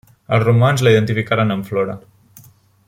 Els romans la identificaren amb Flora.